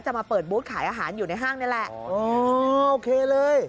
มาเปิดบูธขายอาหารอยู่ในห้างนี่แหละโอเคเลย